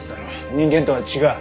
人間とは違う。